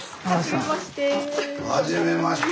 はじめまして。